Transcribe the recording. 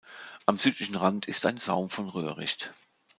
Am südlichen Rand ist ein Saum von Röhricht.